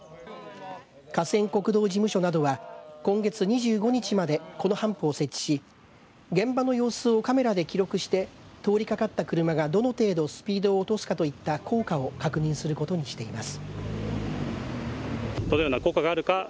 河川国道事務所などは今月２５日までこのハンプを設置し現場の様子をカメラで記録して通りかかった車が、どの程度スピードを落とすかといった効果を確認することにしています。